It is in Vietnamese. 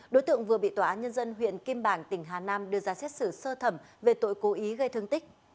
đối tượng vừa bị tòa án nhân dân huyện kim bảng tỉnh hà nam đưa ra xét xử sơ thẩm về tội cố ý gây thương tích